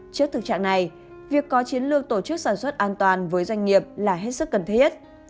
trước thực trạng này việc có chiến lược tổ chức sản xuất an toàn với doanh nghiệp là hết sức cần thiết